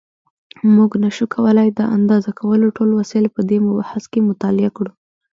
مونږ نشو کولای د اندازه کولو ټول وسایل په دې مبحث کې مطالعه کړو.